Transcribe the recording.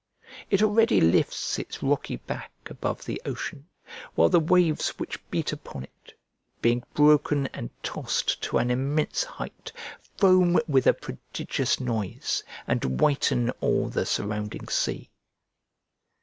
It already lifts its rocky back above the ocean, while the waves which beat upon it, being broken and tossed to an immense height, foam with a prodigious noise, and whiten all the surrounding sea.